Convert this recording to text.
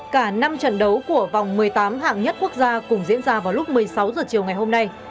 cả năm trận đấu của vòng một mươi tám hạng nhất quốc gia cũng diễn ra vào lúc một mươi sáu h chiều ngày hôm nay